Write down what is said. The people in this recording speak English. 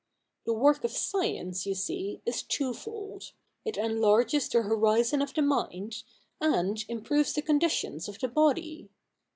The work of science, you see, is twofold ; it enlarges the horizon of the mind, and improves the conditions of the body.